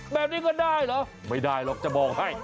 แบบนี้ก็ได้เหรอไม่ได้หรอกจะบอกให้